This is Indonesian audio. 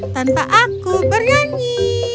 tanpa aku bernyanyi